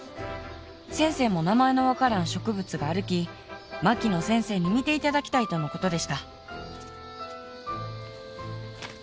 先生も名前の分からん植物があるき槙野先生に見ていただきたいとのことでした」。